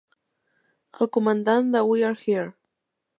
El comandant de "We're Here!"